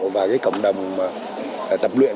và cộng đồng tập luyện